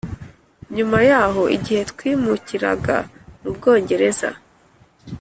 Nyuma yaho igihe twimukiraga mu Bwongereza